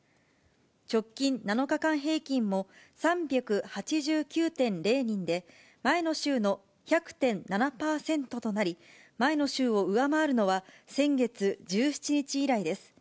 直近７日間平均も、３８９．０人で、前の週の１００．７％となり、前の週を上回るのは先月１７日以来です。